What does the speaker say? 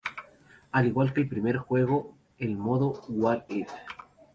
Al igual que el primer juego, el Modo What If?